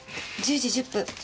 １０時１０分。